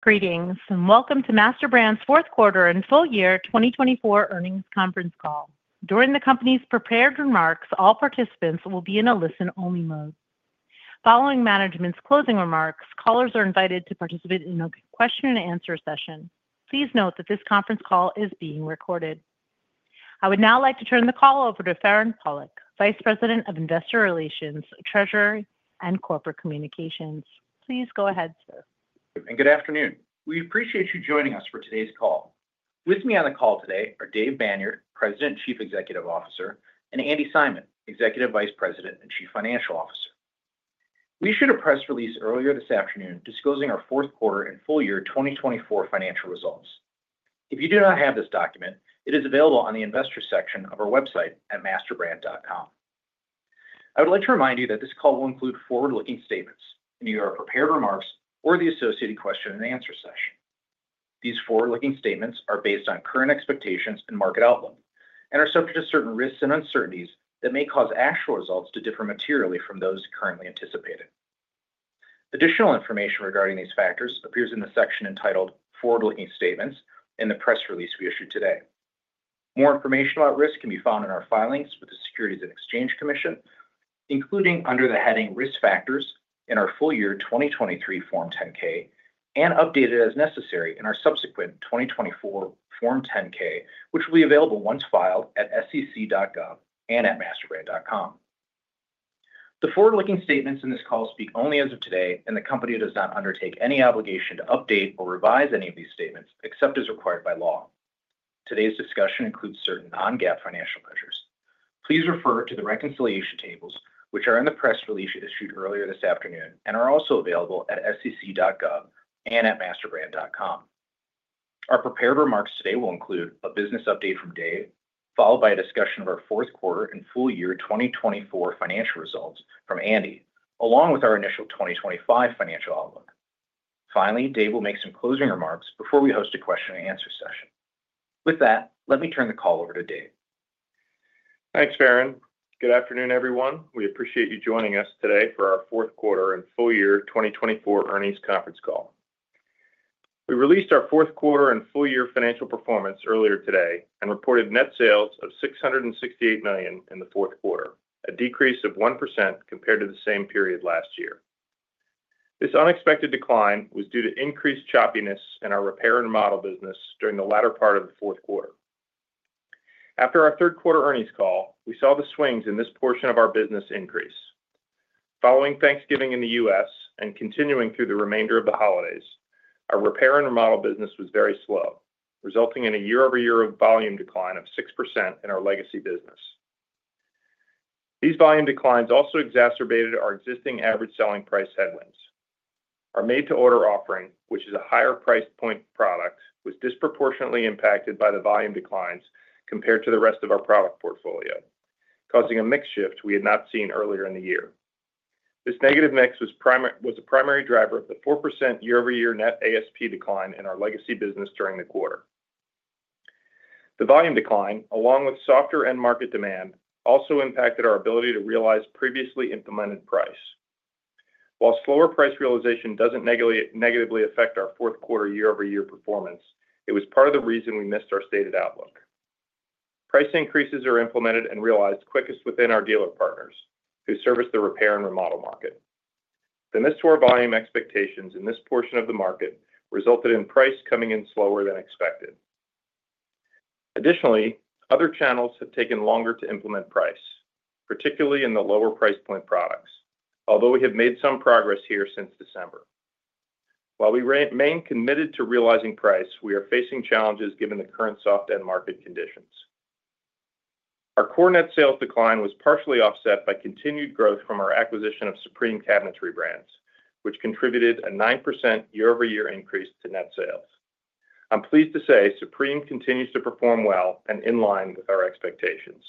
Greetings, and welcome to MasterBrand's fourth quarter and full year 2024 earnings conference call. During the company's prepared remarks, all participants will be in a listen-only mode. Following management's closing remarks, callers are invited to participate in a question-and-answer session. Please note that this conference call is being recorded. I would now like to turn the call over to Farand Pawlak, Vice President of Investor Relations, Treasury, and Corporate Communications. Please go ahead, sir. Good afternoon. We appreciate you joining us for today's call. With me on the call today are Dave Banyard, President and Chief Executive Officer, and Andi Simon, Executive Vice President and Chief Financial Officer. We issued a press release earlier this afternoon disclosing our fourth quarter and full year 2024 financial results. If you do not have this document, it is available on the investor section of our website at masterbrand.com. I would like to remind you that this call will include forward-looking statements in your prepared remarks or the associated question-and-answer session. These forward-looking statements are based on current expectations and market outlook and are subject to certain risks and uncertainties that may cause actual results to differ materially from those currently anticipated. Additional information regarding these factors appears in the section entitled "Forward-looking Statements" in the press release we issued today. More information about risk can be found in our filings with the Securities and Exchange Commission, including under the heading "Risk Factors" in our full year 2023 Form 10-K and updated as necessary in our subsequent 2024 Form 10-K, which will be available once filed at sec.gov and at masterbrand.com. The forward-looking statements in this call speak only as of today, and the company does not undertake any obligation to update or revise any of these statements except as required by law. Today's discussion includes certain non-GAAP financial measures. Please refer to the reconciliation tables, which are in the press release issued earlier this afternoon and are also available at sec.gov and at masterbrand.com. Our prepared remarks today will include a business update from Dave, followed by a discussion of our fourth quarter and full year 2024 financial results from Andi, along with our initial 2025 financial outlook. Finally, Dave will make some closing remarks before we host a question-and-answer session. With that, let me turn the call over to Dave. Thanks, Farand. Good afternoon, everyone. We appreciate you joining us today for our fourth quarter and full year 2024 earnings conference call. We released our fourth quarter and full year financial performance earlier today and reported net sales of $668 million in the fourth quarter, a decrease of 1% compared to the same period last year. This unexpected decline was due to increased choppiness in our repair and remodel business during the latter part of the fourth quarter. After our third quarter earnings call, we saw the swings in this portion of our business increase. Following Thanksgiving in the U.S. and continuing through the remainder of the holidays, our repair and remodel business was very slow, resulting in a year-over-year volume decline of 6% in our legacy business. These volume declines also exacerbated our existing average selling price headwinds. Our made-to-order offering, which is a higher price point product, was disproportionately impacted by the volume declines compared to the rest of our product portfolio, causing a mix shift we had not seen earlier in the year. This negative mix was a primary driver of the 4% year-over-year net ASP decline in our legacy business during the quarter. The volume decline, along with softer end market demand, also impacted our ability to realize previously implemented price. While slower price realization doesn't negatively affect our fourth quarter year-over-year performance, it was part of the reason we missed our stated outlook. Price increases are implemented and realized quickest within our dealer partners, who service the repair and remodel market. The made-to-order volume expectations in this portion of the market resulted in price coming in slower than expected. Additionally, other channels have taken longer to implement price, particularly in the lower price point products, although we have made some progress here since December. While we remain committed to realizing price, we are facing challenges given the current soft end market conditions. Our core net sales decline was partially offset by continued growth from our acquisition of Supreme Cabinetry Brands, which contributed a 9% year-over-year increase to net sales. I'm pleased to say Supreme continues to perform well and in line with our expectations.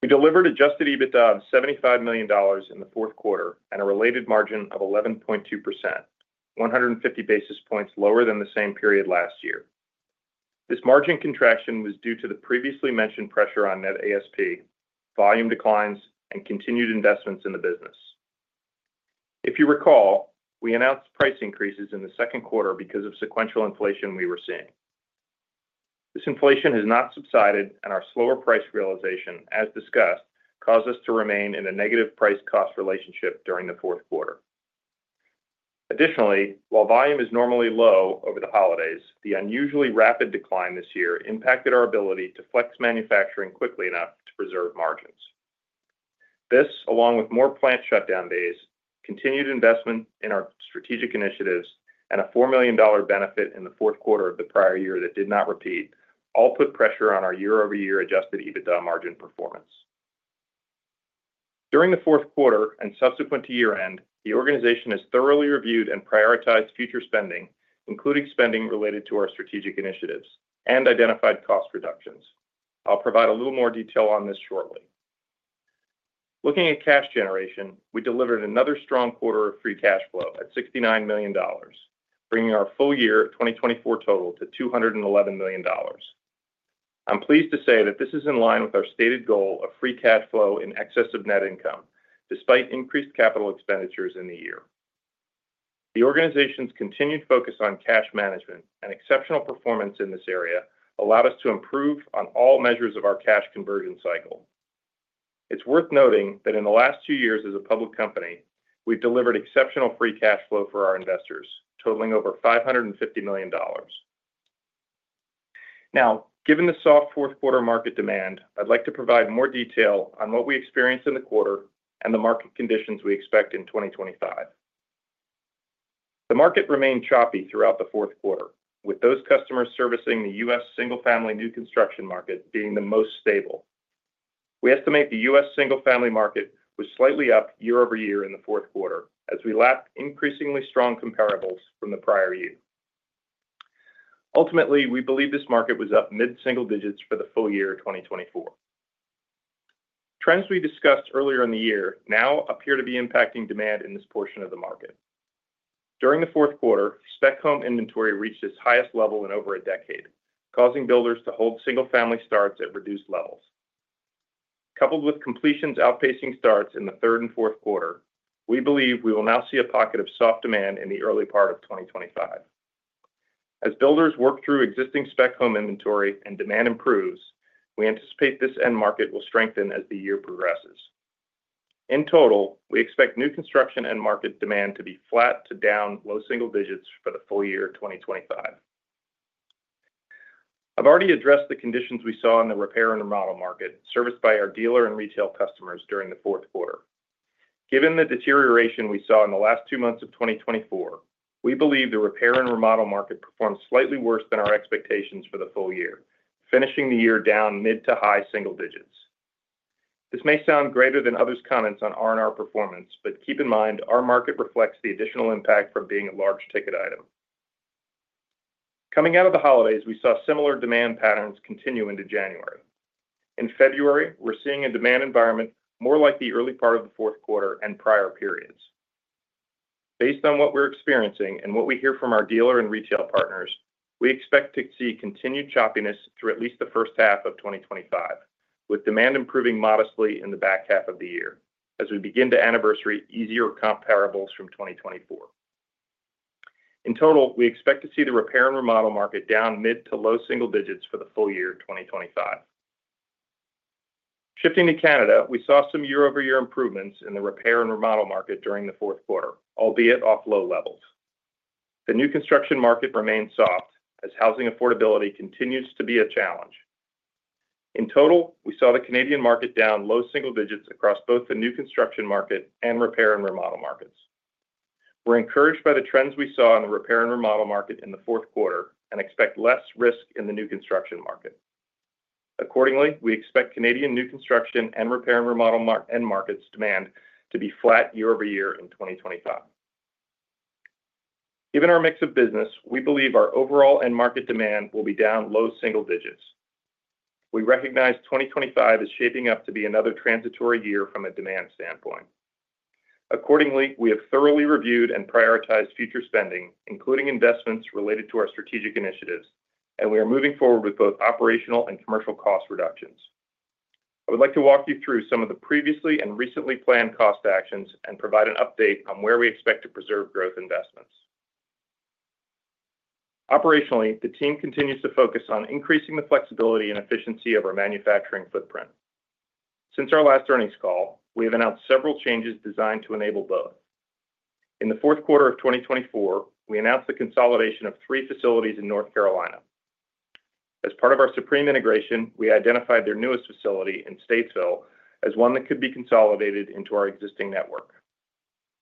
We delivered adjusted EBITDA of $75 million in the fourth quarter and a related margin of 11.2%, 150 basis points lower than the same period last year. This margin contraction was due to the previously mentioned pressure on net ASP, volume declines, and continued investments in the business. If you recall, we announced price increases in the second quarter because of sequential inflation we were seeing. This inflation has not subsided, and our slower price realization, as discussed, caused us to remain in a negative price-cost relationship during the fourth quarter. Additionally, while volume is normally low over the holidays, the unusually rapid decline this year impacted our ability to flex manufacturing quickly enough to preserve margins. This, along with more plant shutdown days, continued investment in our strategic initiatives, and a $4 million benefit in the fourth quarter of the prior year that did not repeat, all put pressure on our year-over-year Adjusted EBITDA margin performance. During the fourth quarter and subsequent to year-end, the organization has thoroughly reviewed and prioritized future spending, including spending related to our strategic initiatives, and identified cost reductions. I'll provide a little more detail on this shortly. Looking at cash generation, we delivered another strong quarter of free cash flow at $69 million, bringing our full year 2024 total to $211 million. I'm pleased to say that this is in line with our stated goal of free cash flow in excess of net income, despite increased capital expenditures in the year. The organization's continued focus on cash management and exceptional performance in this area allowed us to improve on all measures of our cash conversion cycle. It's worth noting that in the last two years as a public company, we've delivered exceptional free cash flow for our investors, totaling over $550 million. Now, given the soft fourth quarter market demand, I'd like to provide more detail on what we experienced in the quarter and the market conditions we expect in 2025. The market remained choppy throughout the fourth quarter, with those customers servicing the U.S. single-family new construction market being the most stable. We estimate the U.S. single-family market was slightly up year-over-year in the fourth quarter as we lacked increasingly strong comparables from the prior year. Ultimately, we believe this market was up mid-single digits for the full year 2024. Trends we discussed earlier in the year now appear to be impacting demand in this portion of the market. During the fourth quarter, spec home inventory reached its highest level in over a decade, causing builders to hold single-family starts at reduced levels. Coupled with completions outpacing starts in the third and fourth quarter, we believe we will now see a pocket of soft demand in the early part of 2025. As builders work through existing spec home inventory and demand improves, we anticipate this end market will strengthen as the year progresses. In total, we expect new construction end market demand to be flat to down low single digits for the full year 2025. I've already addressed the conditions we saw in the repair and remodel market serviced by our dealer and retail customers during the fourth quarter. Given the deterioration we saw in the last two months of 2024, we believe the repair and remodel market performed slightly worse than our expectations for the full year, finishing the year down mid to high single digits. This may sound greater than others' comments on R&R performance, but keep in mind our market reflects the additional impact from being a large ticket item. Coming out of the holidays, we saw similar demand patterns continue into January. In February, we're seeing a demand environment more like the early part of the fourth quarter and prior periods. Based on what we're experiencing and what we hear from our dealer and retail partners, we expect to see continued choppiness through at least the first half of 2025, with demand improving modestly in the back half of the year as we begin to anniversary easier comparables from 2024. In total, we expect to see the repair and remodel market down mid to low single digits for the full year 2025. Shifting to Canada, we saw some year-over-year improvements in the repair and remodel market during the fourth quarter, albeit off low levels. The new construction market remains soft as housing affordability continues to be a challenge. In total, we saw the Canadian market down low single digits across both the new construction market and repair and remodel markets. We're encouraged by the trends we saw in the repair and remodel market in the fourth quarter and expect less risk in the new construction market. Accordingly, we expect Canadian new construction and repair and remodel markets demand to be flat year-over-year in 2025. Given our mix of business, we believe our overall end market demand will be down low single digits. We recognize 2025 is shaping up to be another transitory year from a demand standpoint. Accordingly, we have thoroughly reviewed and prioritized future spending, including investments related to our strategic initiatives, and we are moving forward with both operational and commercial cost reductions. I would like to walk you through some of the previously and recently planned cost actions and provide an update on where we expect to preserve growth investments. Operationally, the team continues to focus on increasing the flexibility and efficiency of our manufacturing footprint. Since our last earnings call, we have announced several changes designed to enable both. In the fourth quarter of 2024, we announced the consolidation of three facilities in North Carolina. As part of our Supreme integration, we identified their newest facility in Statesville as one that could be consolidated into our existing network.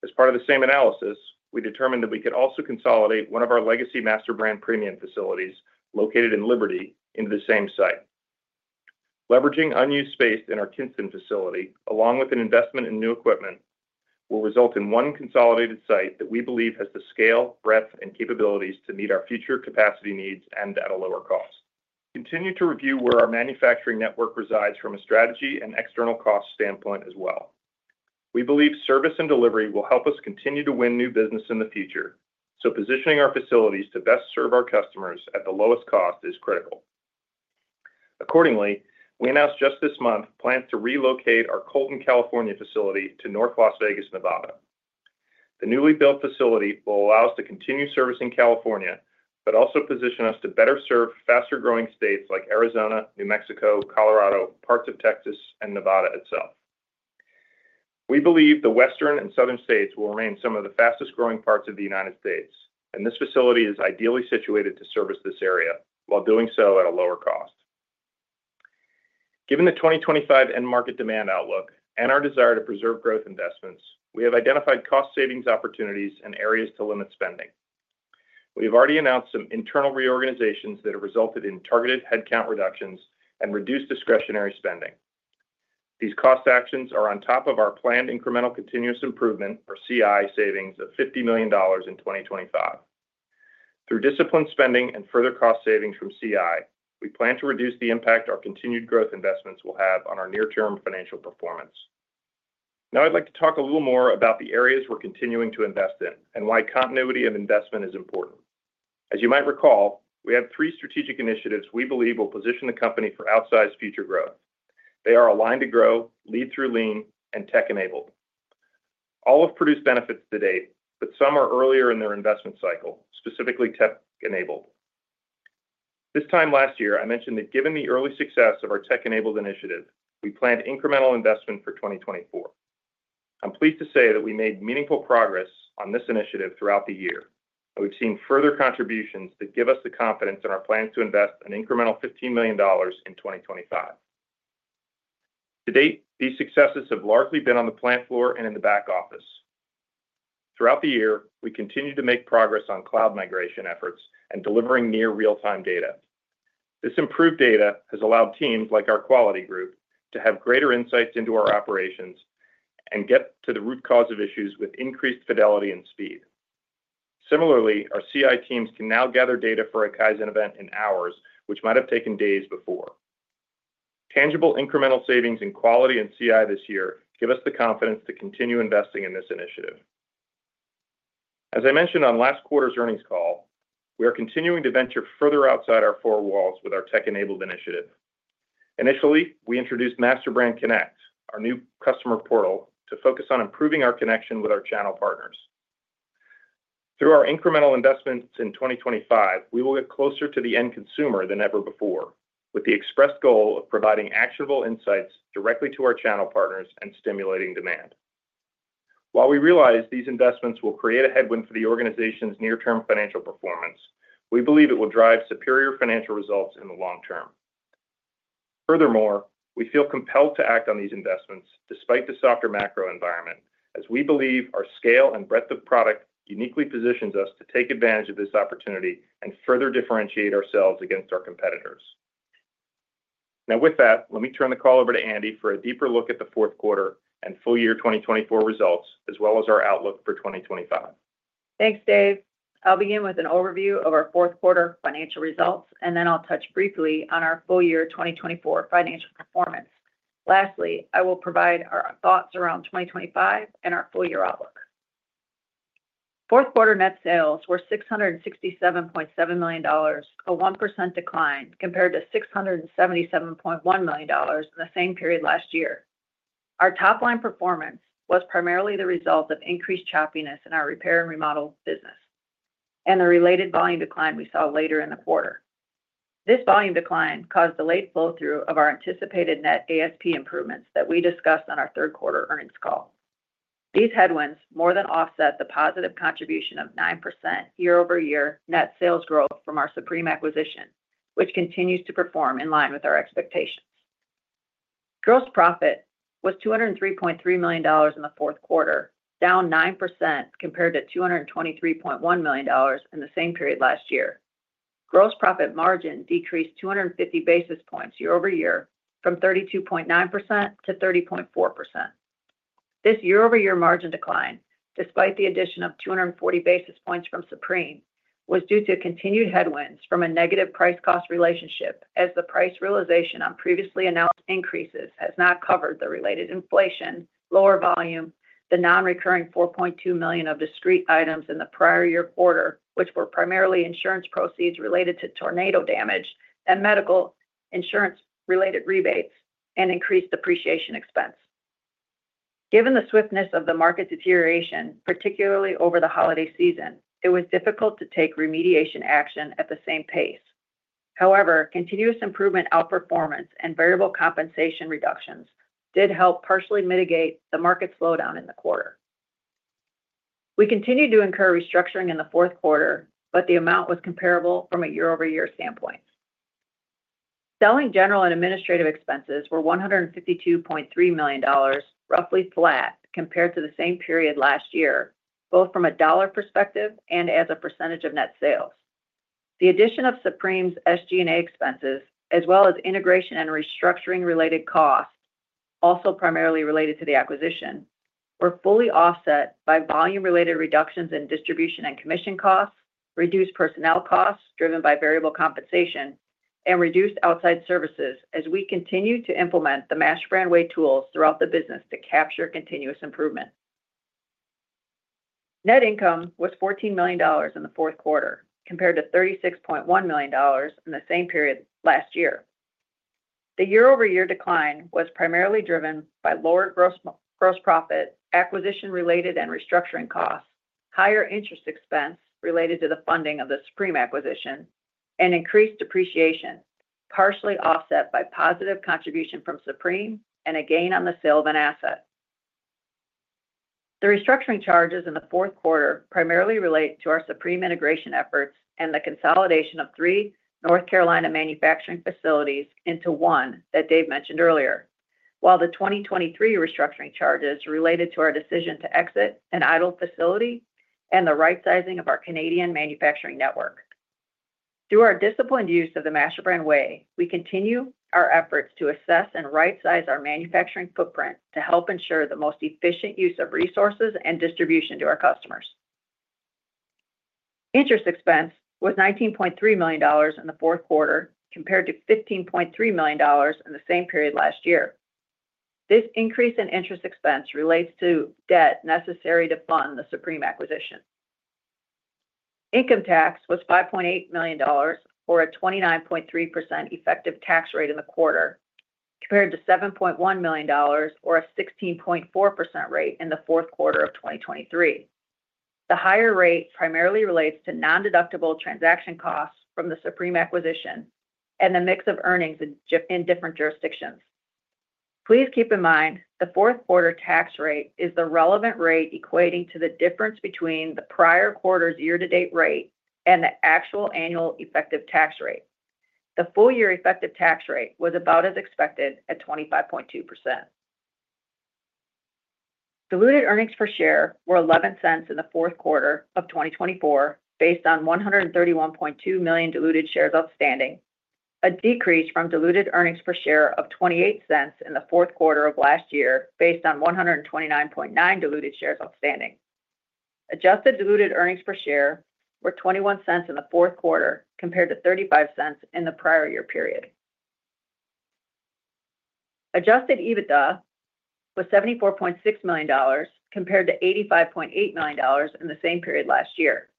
As part of the same analysis, we determined that we could also consolidate one of our legacy MasterBrand premium facilities located in Liberty into the same site. Leveraging unused space in our Kinston facility, along with an investment in new equipment, will result in one consolidated site that we believe has the scale, breadth, and capabilities to meet our future capacity needs and at a lower cost. Continue to review where our manufacturing network resides from a strategy and external cost standpoint as well. We believe service and delivery will help us continue to win new business in the future, so positioning our facilities to best serve our customers at the lowest cost is critical. Accordingly, we announced just this month plans to relocate our Colton, California facility to North Las Vegas, Nevada. The newly built facility will allow us to continue servicing California, but also position us to better serve faster-growing states like Arizona, New Mexico, Colorado, parts of Texas, and Nevada itself. We believe the western and southern states will remain some of the fastest-growing parts of the United States, and this facility is ideally situated to service this area while doing so at a lower cost. Given the 2025 end market demand outlook and our desire to preserve growth investments, we have identified cost-savings opportunities and areas to limit spending. We have already announced some internal reorganizations that have resulted in targeted headcount reductions and reduced discretionary spending. These cost actions are on top of our planned incremental continuous improvement, or CI, savings of $50 million in 2025. Through disciplined spending and further cost savings from CI, we plan to reduce the impact our continued growth investments will have on our near-term financial performance. Now, I'd like to talk a little more about the areas we're continuing to invest in and why continuity of investment is important. As you might recall, we have three strategic initiatives we believe will position the company for outsized future growth. They are Align to Grow, Lead through Lean, and Tech-Enabled. All have produced benefits to date, but some are earlier in their investment cycle, specifically Tech-Enabled. This time last year, I mentioned that given the early success of our Tech-Enabled initiative, we planned incremental investment for 2024. I'm pleased to say that we made meaningful progress on this initiative throughout the year, and we've seen further contributions that give us the confidence in our plans to invest an incremental $15 million in 2025. To date, these successes have largely been on the plant floor and in the back office. Throughout the year, we continued to make progress on cloud migration efforts and delivering near real-time data. This improved data has allowed teams like our quality group to have greater insights into our operations and get to the root cause of issues with increased fidelity and speed. Similarly, our CI teams can now gather data for a Kaizen event in hours, which might have taken days before. Tangible incremental savings in quality and CI this year give us the confidence to continue investing in this initiative. As I mentioned on last quarter's earnings call, we are continuing to venture further outside our four walls with our Tech-Enabled initiative. Initially, we introduced MasterBrand Connect, our new customer portal, to focus on improving our connection with our channel partners. Through our incremental investments in 2025, we will get closer to the end consumer than ever before, with the expressed goal of providing actionable insights directly to our channel partners and stimulating demand. While we realize these investments will create a headwind for the organization's near-term financial performance, we believe it will drive superior financial results in the long term. Furthermore, we feel compelled to act on these investments despite the softer macro environment, as we believe our scale and breadth of product uniquely positions us to take advantage of this opportunity and further differentiate ourselves against our competitors. Now, with that, let me turn the call over to Andi for a deeper look at the fourth quarter and full year 2024 results, as well as our outlook for 2025. Thanks, Dave. I'll begin with an overview of our fourth quarter financial results, and then I'll touch briefly on our full year 2024 financial performance. Lastly, I will provide our thoughts around 2025 and our full year outlook. Fourth quarter net sales were $667.7 million, a 1% decline compared to $677.1 million in the same period last year. Our top-line performance was primarily the result of increased choppiness in our repair and remodel business and the related volume decline we saw later in the quarter. This volume decline caused the late flow-through of our anticipated net ASP improvements that we discussed on our third quarter earnings call. These headwinds more than offset the positive contribution of 9% year-over-year net sales growth from our Supreme acquisition, which continues to perform in line with our expectations. Gross profit was $203.3 million in the fourth quarter, down 9% compared to $223.1 million in the same period last year. Gross profit margin decreased 250 basis points year-over-year from 32.9% to 30.4%. This year-over-year margin decline, despite the addition of 240 basis points from Supreme, was due to continued headwinds from a negative price-cost relationship, as the price realization on previously announced increases has not covered the related inflation, lower volume, the non-recurring $4.2 million of discrete items in the prior year quarter, which were primarily insurance proceeds related to tornado damage and medical insurance-related rebates, and increased depreciation expense. Given the swiftness of the market deterioration, particularly over the holiday season, it was difficult to take remediation action at the same pace. However, continuous improvement outperformance and variable compensation reductions did help partially mitigate the market slowdown in the quarter. We continued to incur restructuring in the fourth quarter, but the amount was comparable from a year-over-year standpoint. Selling, general and administrative expenses were $152.3 million, roughly flat compared to the same period last year, both from a dollar perspective and as a percentage of net sales. The addition of Supreme's SG&A expenses, as well as integration and restructuring-related costs, also primarily related to the acquisition, were fully offset by volume-related reductions in distribution and commission costs, reduced personnel costs driven by variable compensation, and reduced outside services as we continued to implement the MasterBrand Way tools throughout the business to capture continuous improvement. Net income was $14 million in the fourth quarter, compared to $36.1 million in the same period last year. The year-over-year decline was primarily driven by lower gross profit, acquisition-related and restructuring costs, higher interest expense related to the funding of the Supreme acquisition, and increased depreciation, partially offset by positive contribution from Supreme and a gain on the sale of an asset. The restructuring charges in the fourth quarter primarily relate to our Supreme integration efforts and the consolidation of three North Carolina manufacturing facilities into one that Dave mentioned earlier, while the 2023 restructuring charges related to our decision to exit an idle facility and the rightsizing of our Canadian manufacturing network. Through our disciplined use of the MasterBrand Way, we continue our efforts to assess and rightsize our manufacturing footprint to help ensure the most efficient use of resources and distribution to our customers. Interest expense was $19.3 million in the fourth quarter, compared to $15.3 million in the same period last year. This increase in interest expense relates to debt necessary to fund the Supreme acquisition. Income tax was $5.8 million for a 29.3% effective tax rate in the quarter, compared to $7.1 million or a 16.4% rate in the fourth quarter of 2023. The higher rate primarily relates to non-deductible transaction costs from the Supreme acquisition and the mix of earnings in different jurisdictions. Please keep in mind the fourth quarter tax rate is the relevant rate equating to the difference between the prior quarter's year-to-date rate and the actual annual effective tax rate. The full year effective tax rate was about as expected at 25.2%. Diluted earnings per share were $0.11 in the fourth quarter of 2024, based on 131.2 million diluted shares outstanding, a decrease from diluted earnings per share of $0.28 in the fourth quarter of last year, based on 129.9 million diluted shares outstanding. Adjusted diluted earnings per share were $0.21 in the fourth quarter, compared to $0.35 in the prior year period. Adjusted EBITDA was $74.6 million, compared to $85.8 million in the same period last year.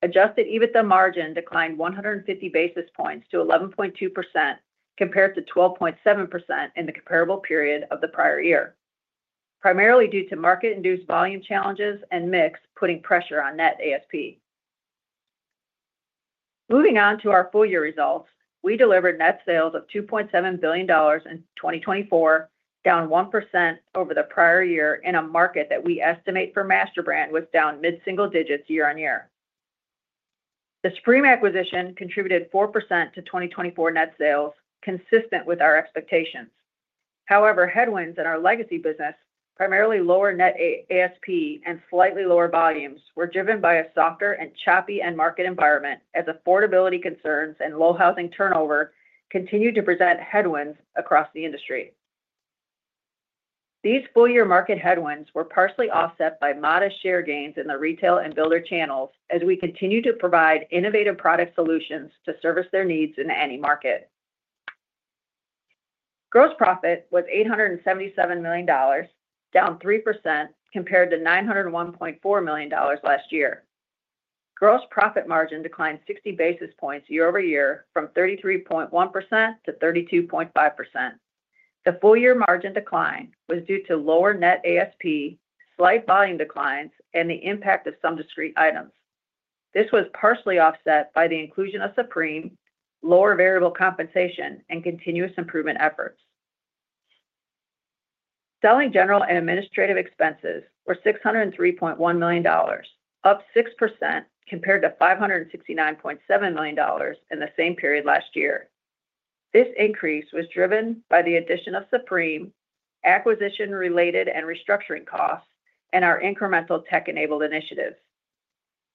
Adjusted EBITDA margin declined 150 basis points to 11.2%, compared to 12.7% in the comparable period of the prior year, primarily due to market-induced volume challenges and mix putting pressure on net ASP. Moving on to our full year results, we delivered net sales of $2.7 billion in 2024, down 1% over the prior year in a market that we estimate for MasterBrand was down mid-single digits year-on-year. The Supreme acquisition contributed 4% to 2024 net sales, consistent with our expectations. However, headwinds in our legacy business, primarily lower net ASP and slightly lower volumes, were driven by a softer and choppy end market environment, as affordability concerns and low housing turnover continued to present headwinds across the industry. These full year market headwinds were partially offset by modest share gains in the retail and builder channels, as we continue to provide innovative product solutions to service their needs in any market. Gross profit was $877 million, down 3%, compared to $901.4 million last year. Gross profit margin declined 60 basis points year-over-year, from 33.1% to 32.5%. The full year margin decline was due to lower net ASP, slight volume declines, and the impact of some discrete items. This was partially offset by the inclusion of Supreme, lower variable compensation, and continuous improvement efforts. Selling general and administrative expenses were $603.1 million, up 6%, compared to $569.7 million in the same period last year. This increase was driven by the addition of Supreme, acquisition-related and restructuring costs, and our incremental Tech-Enabled initiatives.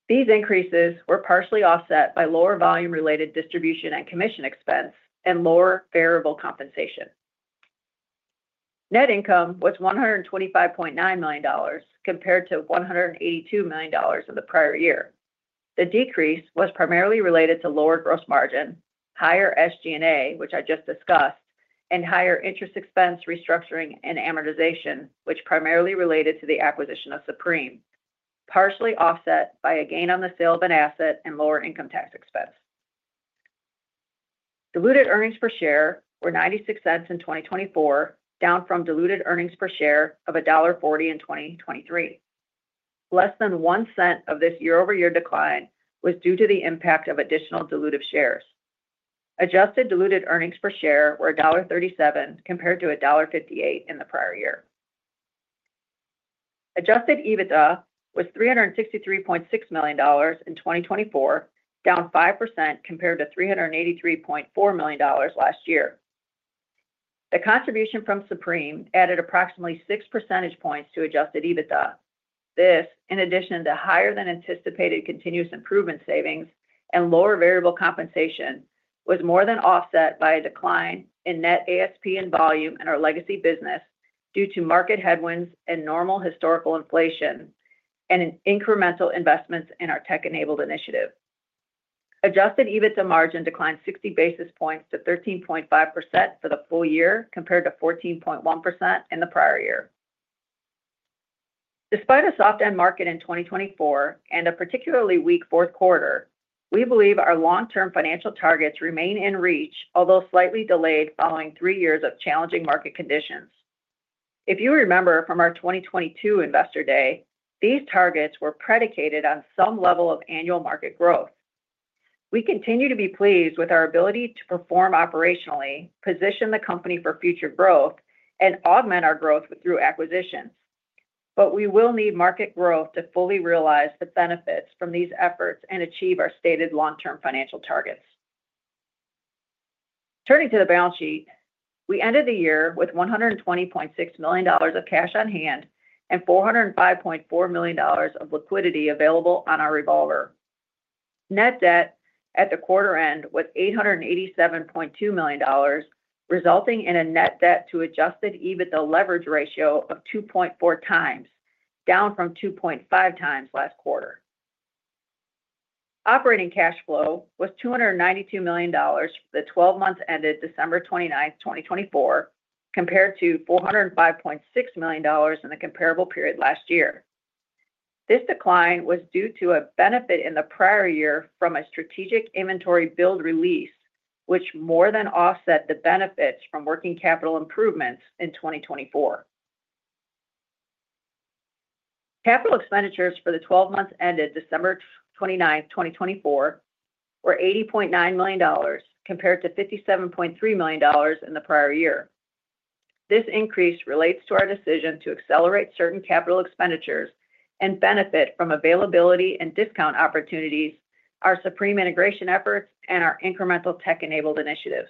These increases were partially offset by lower volume-related distribution and commission expense and lower variable compensation. Net income was $125.9 million, compared to $182 million in the prior year. The decrease was primarily related to lower gross margin, higher SG&A, which I just discussed, and higher interest expense, restructuring, and amortization, which primarily related to the acquisition of Supreme, partially offset by a gain on the sale of an asset and lower income tax expense. Diluted earnings per share were $0.96 in 2024, down from diluted earnings per share of $1.40 in 2023. Less than 1% of this year-over-year decline was due to the impact of additional dilutive shares. Adjusted diluted earnings per share were $1.37, compared to $1.58 in the prior year. Adjusted EBITDA was $363.6 million in 2024, down 5%, compared to $383.4 million last year. The contribution from Supreme added approximately 6 percentage points to adjusted EBITDA. This, in addition to higher-than-anticipated continuous improvement savings and lower variable compensation, was more than offset by a decline in net ASP and volume in our legacy business due to market headwinds and normal historical inflation and incremental investments in our Tech-Enabled initiative. Adjusted EBITDA margin declined 60 basis points to 13.5% for the full year, compared to 14.1% in the prior year. Despite a soft end market in 2024 and a particularly weak fourth quarter, we believe our long-term financial targets remain in reach, although slightly delayed following three years of challenging market conditions. If you remember from our 2022 Investor Day, these targets were predicated on some level of annual market growth. We continue to be pleased with our ability to perform operationally, position the company for future growth, and augment our growth through acquisitions. But we will need market growth to fully realize the benefits from these efforts and achieve our stated long-term financial targets. Turning to the balance sheet, we ended the year with $120.6 million of cash on hand and $405.4 million of liquidity available on our revolver. Net debt at the quarter end was $887.2 million, resulting in a net debt-to-Adjusted EBITDA leverage ratio of 2.4 times, down from 2.5 times last quarter. Operating cash flow was $292 million for the 12 months ended December 29, 2024, compared to $405.6 million in the comparable period last year. This decline was due to a benefit in the prior year from a strategic inventory build release, which more than offset the benefits from working capital improvements in 2024. Capital expenditures for the 12 months ended December 29, 2024, were $80.9 million, compared to $57.3 million in the prior year. This increase relates to our decision to accelerate certain capital expenditures and benefit from availability and discount opportunities, our Supreme integration efforts, and our incremental Tech-Enabled initiatives.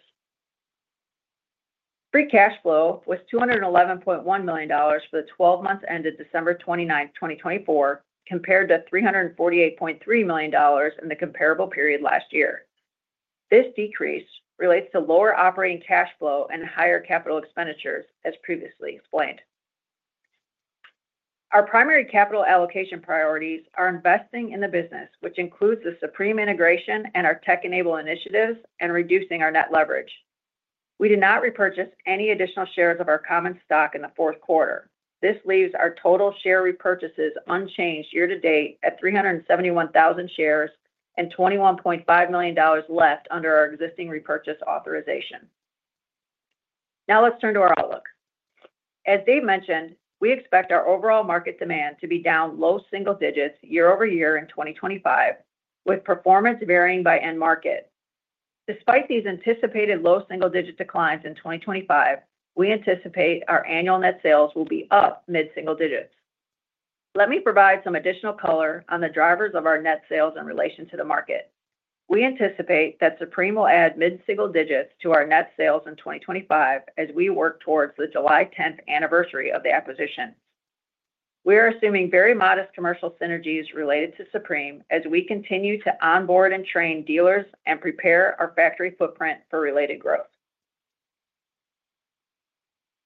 Free cash flow was $211.1 million for the 12 months ended December 29, 2024, compared to $348.3 million in the comparable period last year. This decrease relates to lower operating cash flow and higher capital expenditures, as previously explained. Our primary capital allocation priorities are investing in the business, which includes the Supreme integration and our Tech-Enabled initiatives, and reducing our net leverage. We did not repurchase any additional shares of our common stock in the fourth quarter. This leaves our total share repurchases unchanged year-to-date at 371,000 shares and $21.5 million left under our existing repurchase authorization. Now let's turn to our outlook. As Dave mentioned, we expect our overall market demand to be down low single digits year-over-year in 2025, with performance varying by end market. Despite these anticipated low single digit declines in 2025, we anticipate our annual net sales will be up mid-single digits. Let me provide some additional color on the drivers of our net sales in relation to the market. We anticipate that Supreme will add mid-single digits to our net sales in 2025 as we work towards the July 10th anniversary of the acquisition. We are assuming very modest commercial synergies related to Supreme as we continue to onboard and train dealers and prepare our factory footprint for related growth.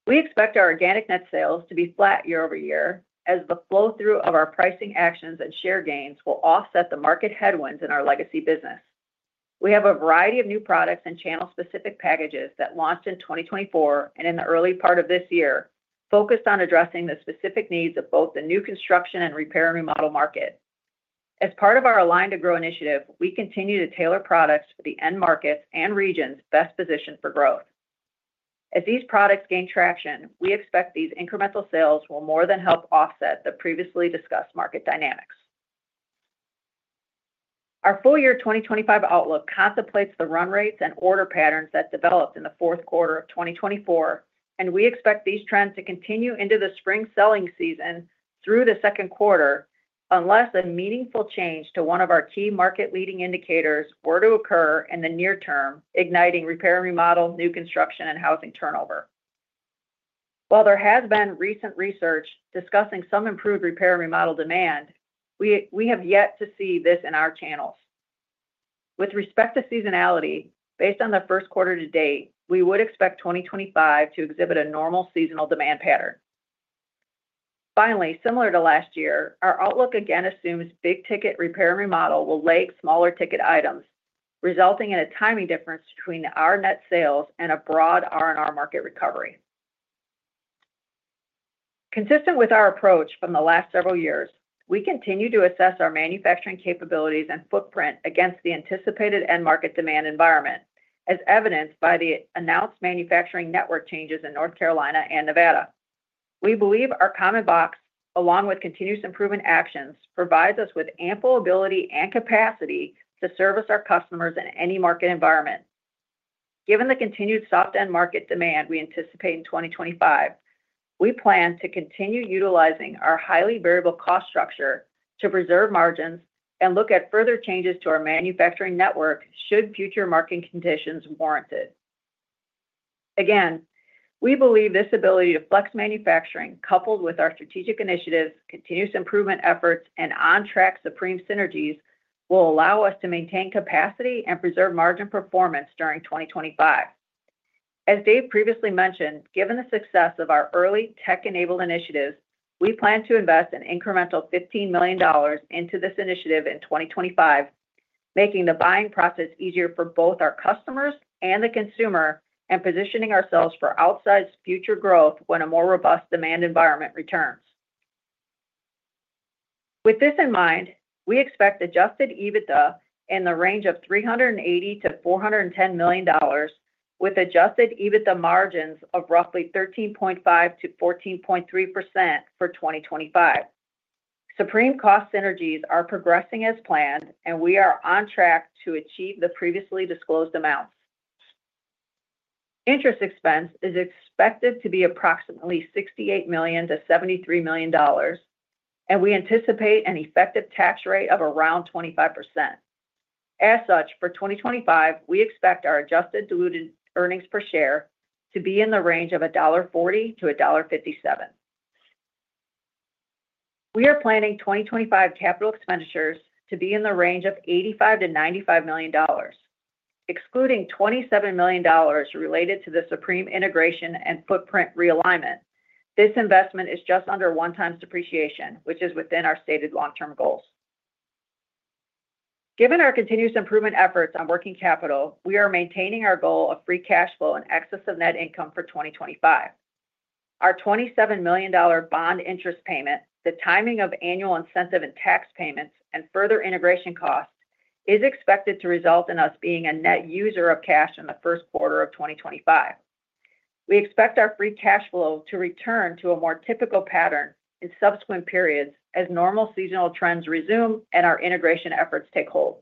We expect our organic net sales to be flat year-over-year, as the flow-through of our pricing actions and share gains will offset the market headwinds in our legacy business. We have a variety of new products and channel-specific packages that launched in 2024 and in the early part of this year, focused on addressing the specific needs of both the new construction and repair and remodel market. As part of our Align to Grow initiative, we continue to tailor products for the end markets and regions best positioned for growth. As these products gain traction, we expect these incremental sales will more than help offset the previously discussed market dynamics. Our full year 2025 outlook contemplates the run rates and order patterns that developed in the fourth quarter of 2024, and we expect these trends to continue into the spring selling season through the second quarter, unless a meaningful change to one of our key market-leading indicators were to occur in the near term, igniting repair and remodel, new construction, and housing turnover. While there has been recent research discussing some improved repair and remodel demand, we have yet to see this in our channels. With respect to seasonality, based on the first quarter to date, we would expect 2025 to exhibit a normal seasonal demand pattern. Finally, similar to last year, our outlook again assumes big-ticket repair and remodel will lag smaller-ticket items, resulting in a timing difference between our net sales and a broad R&R market recovery. Consistent with our approach from the last several years, we continue to assess our manufacturing capabilities and footprint against the anticipated end market demand environment, as evidenced by the announced manufacturing network changes in North Carolina and Nevada. We believe our common box, along with continuous improvement actions, provides us with ample ability and capacity to service our customers in any market environment. Given the continued soft end market demand we anticipate in 2025, we plan to continue utilizing our highly variable cost structure to preserve margins and look at further changes to our manufacturing network should future market conditions warrant it. Again, we believe this ability to flex manufacturing, coupled with our strategic initiatives, continuous improvement efforts, and on-track Supreme synergies, will allow us to maintain capacity and preserve margin performance during 2025. As Dave previously mentioned, given the success of our early Tech-Enabled initiatives, we plan to invest an incremental $15 million into this initiative in 2025, making the buying process easier for both our customers and the consumer, and positioning ourselves for outsized future growth when a more robust demand environment returns. With this in mind, we expect Adjusted EBITDA in the range of $380-$410 million, with Adjusted EBITDA margins of roughly 13.5%-14.3% for 2025. Supreme cost synergies are progressing as planned, and we are on track to achieve the previously disclosed amounts. Interest expense is expected to be approximately $68 million-$73 million, and we anticipate an effective tax rate of around 25%. As such, for 2025, we expect our adjusted diluted earnings per share to be in the range of $1.40-$1.57. We are planning 2025 capital expenditures to be in the range of $85-$95 million, excluding $27 million related to the Supreme integration and footprint realignment. This investment is just under one-time depreciation, which is within our stated long-term goals. Given our continuous improvement efforts on working capital, we are maintaining our goal of free cash flow and excessive net income for 2025. Our $27 million bond interest payment, the timing of annual incentive and tax payments, and further integration costs is expected to result in us being a net user of cash in the first quarter of 2025. We expect our free cash flow to return to a more typical pattern in subsequent periods as normal seasonal trends resume and our integration efforts take hold.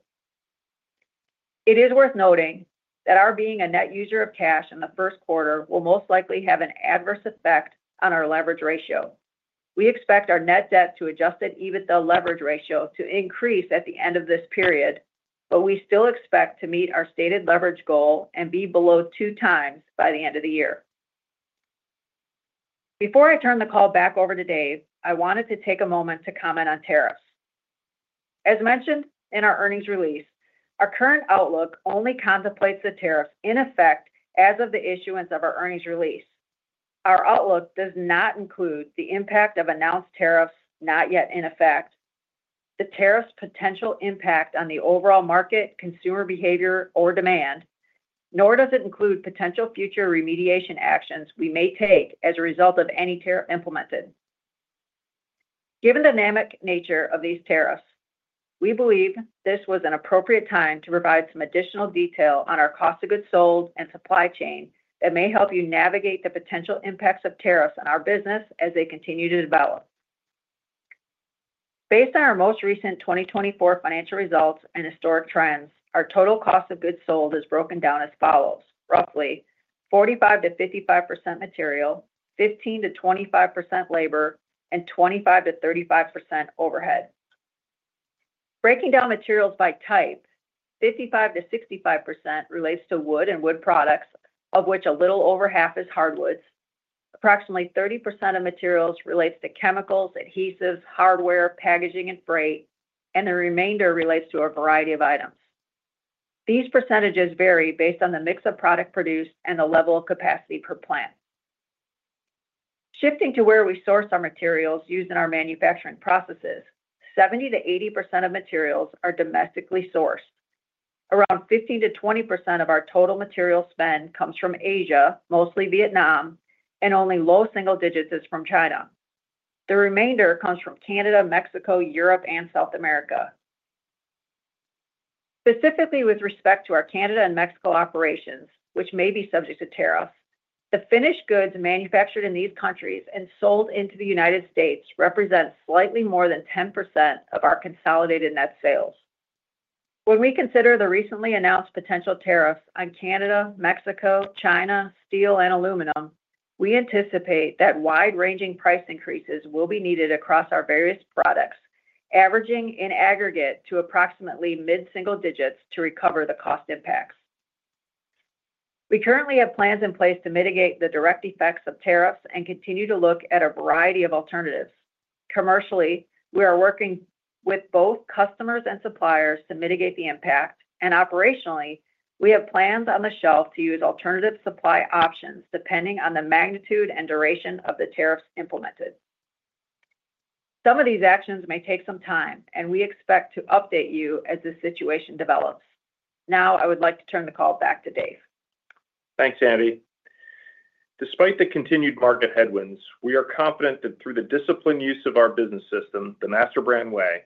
It is worth noting that our being a net user of cash in the first quarter will most likely have an adverse effect on our leverage ratio. We expect our net debt-to-adjusted EBITDA leverage ratio to increase at the end of this period, but we still expect to meet our stated leverage goal and be below two times by the end of the year. Before I turn the call back over to Dave, I wanted to take a moment to comment on tariffs. As mentioned in our earnings release, our current outlook only contemplates the tariffs in effect as of the issuance of our earnings release. Our outlook does not include the impact of announced tariffs not yet in effect, the tariffs' potential impact on the overall market, consumer behavior, or demand, nor does it include potential future remediation actions we may take as a result of any tariff implemented. Given the dynamic nature of these tariffs, we believe this was an appropriate time to provide some additional detail on our cost of goods sold and supply chain that may help you navigate the potential impacts of tariffs on our business as they continue to develop. Based on our most recent 2024 financial results and historic trends, our total cost of goods sold is broken down as follows, roughly 45%-55% material, 15%-25% labor, and 25%-35% overhead. Breaking down materials by type, 55%-65% relates to wood and wood products, of which a little over half is hardwoods. Approximately 30% of materials relates to chemicals, adhesives, hardware, packaging, and freight, and the remainder relates to a variety of items. These percentages vary based on the mix of product produced and the level of capacity per plant. Shifting to where we source our materials used in our manufacturing processes, 70%-80% of materials are domestically sourced. Around 15%-20% of our total material spend comes from Asia, mostly Vietnam, and only low single digits is from China. The remainder comes from Canada, Mexico, Europe, and South America. Specifically, with respect to our Canada and Mexico operations, which may be subject to tariffs, the finished goods manufactured in these countries and sold into the United States represent slightly more than 10% of our consolidated net sales. When we consider the recently announced potential tariffs on Canada, Mexico, China, steel, and aluminum, we anticipate that wide-ranging price increases will be needed across our various products, averaging in aggregate to approximately mid-single digits to recover the cost impacts. We currently have plans in place to mitigate the direct effects of tariffs and continue to look at a variety of alternatives. Commercially, we are working with both customers and suppliers to mitigate the impact, and operationally, we have plans on the shelf to use alternative supply options depending on the magnitude and duration of the tariffs implemented. Some of these actions may take some time, and we expect to update you as the situation develops. Now, I would like to turn the call back to Dave. Thanks, Andi. Despite the continued market headwinds, we are confident that through the disciplined use of our business system, the MasterBrand Way,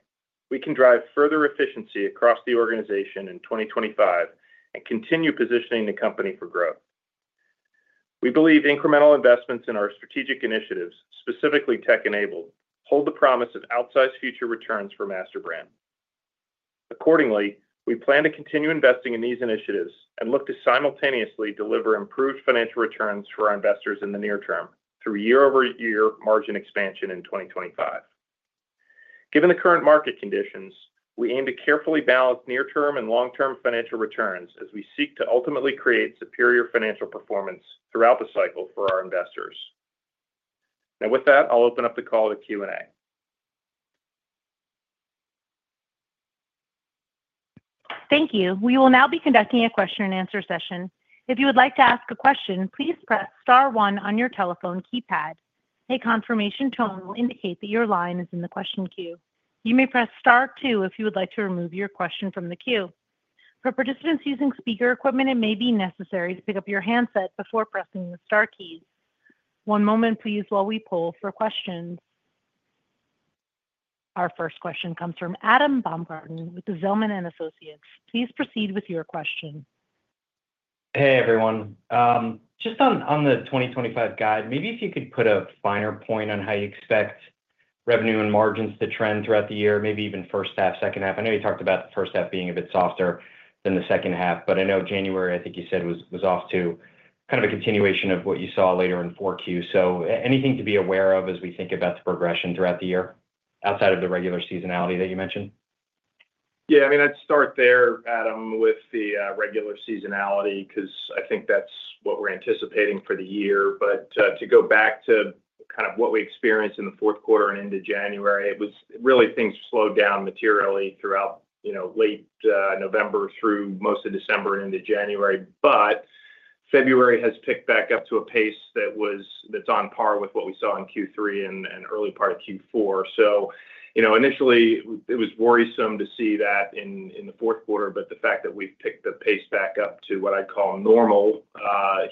we can drive further efficiency across the organization in 2025 and continue positioning the company for growth. We believe incremental investments in our strategic initiatives, specifically Tech-Enabled, hold the promise of outsized future returns for MasterBrand. Accordingly, we plan to continue investing in these initiatives and look to simultaneously deliver improved financial returns for our investors in the near term through year-over-year margin expansion in 2025. Given the current market conditions, we aim to carefully balance near-term and long-term financial returns as we seek to ultimately create superior financial performance throughout the cycle for our investors. And with that, I'll open up the call to Q&A. Thank you. We will now be conducting a question-and-answer session. If you would like to ask a question, please press star one on your telephone keypad. A confirmation tone will indicate that your line is in the question queue. You may press star two if you would like to remove your question from the queue. For participants using speaker equipment, it may be necessary to pick up your handset before pressing the star keys. One moment, please, while we pull for questions. Our first question comes from Adam Baumgarten with Zelman & Associates. Please proceed with your question. Hey, everyone. Just on the 2025 guide, maybe if you could put a finer point on how you expect revenue and margins to trend throughout the year, maybe even first half, second half. I know you talked about the first half being a bit softer than the second half, but I know January, I think you said, was off to kind of a continuation of what you saw later in Q4. So anything to be aware of as we think about the progression throughout the year outside of the regular seasonality that you mentioned? Yeah, I mean, I'd start there, Adam, with the regular seasonality because I think that's what we're anticipating for the year. But to go back to kind of what we experienced in the fourth quarter and into January, it was really things slowed down materially throughout late November through most of December and into January. But February has picked back up to a pace that's on par with what we saw in Q3 and early part of Q4. Initially, it was worrisome to see that in the fourth quarter, but the fact that we've picked the pace back up to what I'd call normal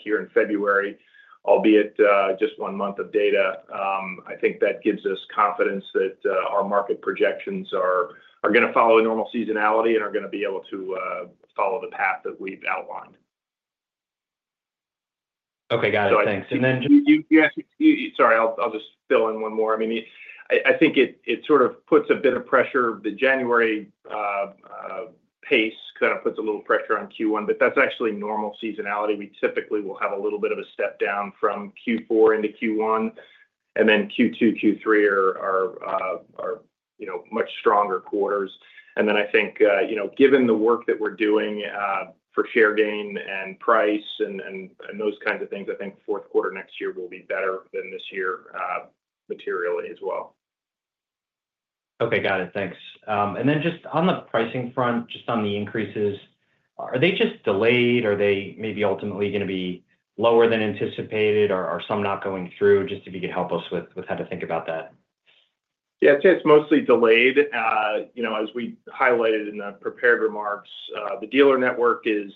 here in February, albeit just one month of data, I think that gives us confidence that our market projections are going to follow normal seasonality and are going to be able to follow the path that we've outlined. Okay, got it. Thanks. And then you asked. Sorry, I'll just fill in one more. I mean, I think it sort of puts a bit of pressure. The January pace kind of puts a little pressure on Q1, but that's actually normal seasonality. We typically will have a little bit of a step down from Q4 into Q1, and then Q2, Q3 are much stronger quarters. And then I think, given the work that we're doing for share gain and price and those kinds of things, I think the fourth quarter next year will be better than this year materially as well. Okay, got it. Thanks. And then just on the pricing front, just on the increases, are they just delayed? Are they maybe ultimately going to be lower than anticipated? Are some not going through? Just if you could help us with how to think about that. Yeah, I'd say it's mostly delayed. As we highlighted in the prepared remarks, the dealer network is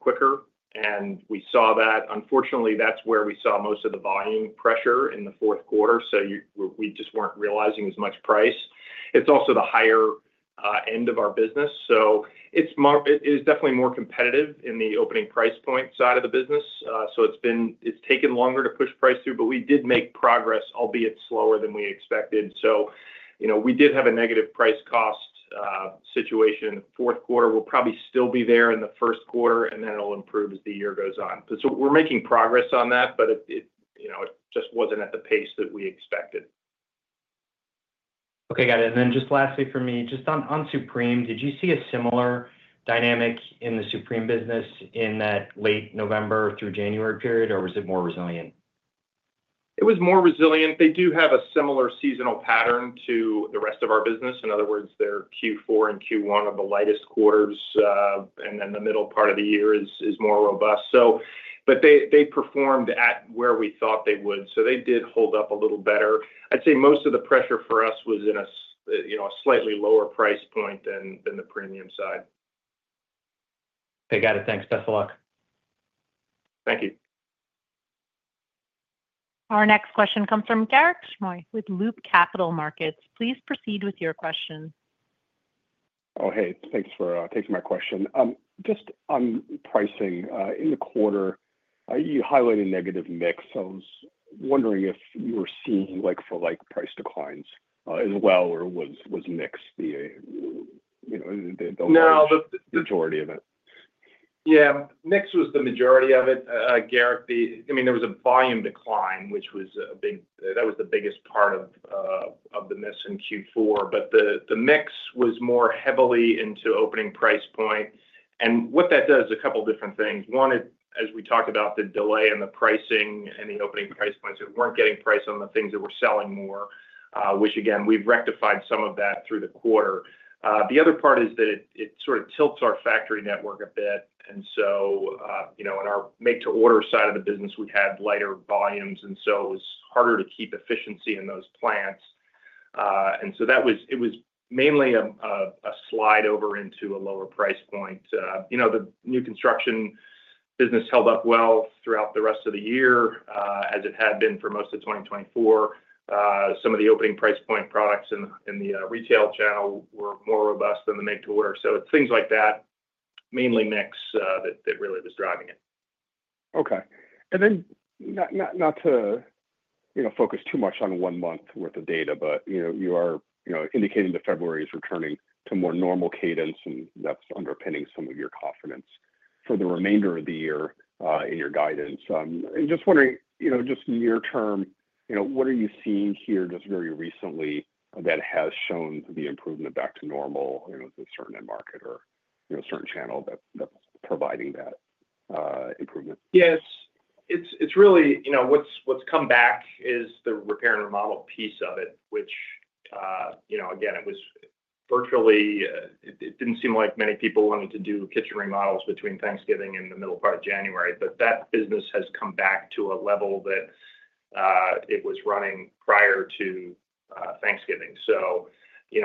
quicker, and we saw that. Unfortunately, that's where we saw most of the volume pressure in the fourth quarter, so we just weren't realizing as much price. It's also the higher end of our business, so it is definitely more competitive in the opening price point side of the business. So it's taken longer to push price through, but we did make progress, albeit slower than we expected. So we did have a negative price cost situation in the fourth quarter. We'll probably still be there in the first quarter, and then it'll improve as the year goes on. So we're making progress on that, but it just wasn't at the pace that we expected. Okay, got it. And then just lastly for me, just on Supreme, did you see a similar dynamic in the Supreme business in that late November through January period, or was it more resilient? It was more resilient. They do have a similar seasonal pattern to the rest of our business. In other words, their Q4 and Q1 are the lightest quarters, and then the middle part of the year is more robust. But they performed at where we thought they would, so they did hold up a little better. I'd say most of the pressure for us was in a slightly lower price point than the premium side. Okay, got it. Thanks. Best of luck. Thank you. Our next question comes from Garik Shmois with Loop Capital Markets. Please proceed with your question. Oh, hey, thanks for taking my question. Just on pricing, in the quarter, you highlighted negative mix. I was wondering if you were seeing like-for-like price declines as well, or was mix the majority of it? Yeah, mix was the majority of it. Garik, I mean, there was a volume decline, which was a big—that was the biggest part of the miss in Q4. But the mix was more heavily into opening price point. And what that does is a couple of different things. One, as we talked about, the delay in the pricing and the opening price points that weren't getting price on the things that were selling more, which, again, we've rectified some of that through the quarter. The other part is that it sort of tilts our factory network a bit, and so in our made-to-order side of the business, we had lighter volumes, and so it was harder to keep efficiency in those plants, so it was mainly a slide over into a lower price point. The new construction business held up well throughout the rest of the year, as it had been for most of 2024. Some of the opening price point products in the retail channel were more robust than the made-to-order, so it's things like that, mainly mix, that really was driving it. Okay. And then not to focus too much on one month's worth of data, but you are indicating that February is returning to more normal cadence, and that's underpinning some of your confidence for the remainder of the year in your guidance. I'm just wondering, just near term, what are you seeing here just very recently that has shown the improvement back to normal in a certain market or a certain channel that's providing that improvement? Yes. It's really what's come back is the repair and remodel piece of it, which, again, it was virtually, it didn't seem like many people wanted to do kitchen remodels between Thanksgiving and the middle part of January. But that business has come back to a level that it was running prior to Thanksgiving. So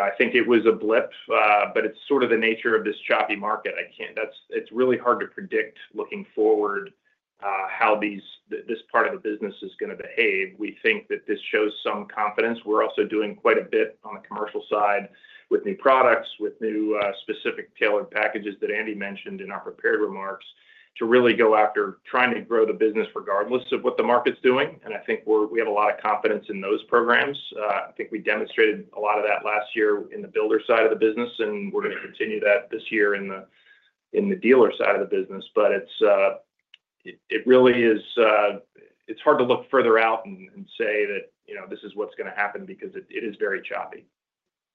I think it was a blip, but it's sort of the nature of this choppy market. It's really hard to predict looking forward how this part of the business is going to behave. We think that this shows some confidence. We're also doing quite a bit on the commercial side with new products, with new specific tailored packages that Andi mentioned in our prepared remarks to really go after trying to grow the business regardless of what the market's doing. And I think we have a lot of confidence in those programs. I think we demonstrated a lot of that last year in the builder side of the business, and we're going to continue that this year in the dealer side of the business. But it really is. It's hard to look further out and say that this is what's going to happen because it is very choppy.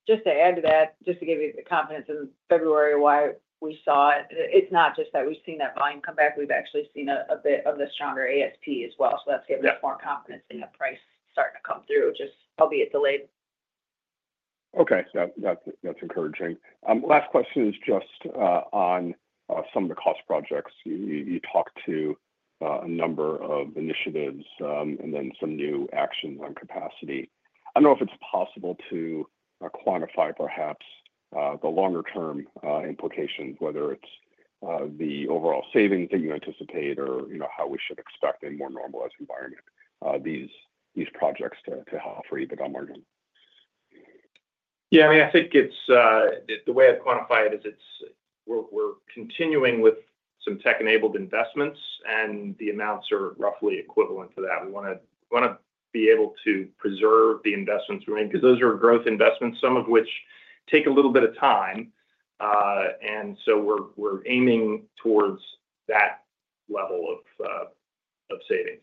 Just to add to that, just to give you the confidence in February why we saw it. It's not just that we've seen that volume come back. We've actually seen a bit of the stronger ASP as well. So that's given us more confidence in the price starting to come through, just, albeit delayed. Okay. That's encouraging. Last question is just on some of the cost projects. You talked to a number of initiatives and then some new actions on capacity. I don't know if it's possible to quantify perhaps the longer-term implications, whether it's the overall savings that you anticipate or how we should expect, in a more normalized environment, these projects to help for EBITDA margin. Yeah. I think the way I'd quantify it is we're continuing with some tech-enabled investments, and the amounts are roughly equivalent to that. We want to be able to preserve the investments we make because those are growth investments, some of which take a little bit of time. And so we're aiming towards that level of savings.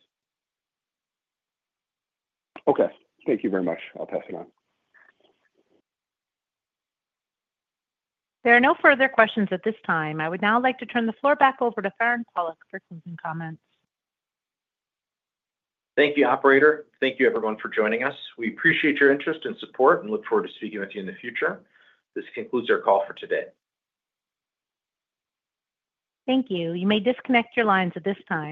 Okay. Thank you very much. I'll pass it on. There are no further questions at this time. I would now like to turn the floor back over to Farand Pawlak for closing comments. Thank you, Operator. Thank you, everyone, for joining us. We appreciate your interest and support and look forward to speaking with you in the future. This concludes our call for today. Thank you. You may disconnect your lines at this time.